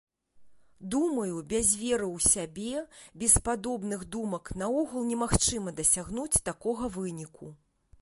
Думаю, без веры ў сябе, без падобных думак наогул немагчыма дасягнуць такога выніку.